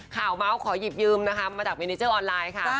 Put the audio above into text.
เมาส์ขอหยิบยืมนะคะมาจากเมนิเจอร์ออนไลน์ค่ะ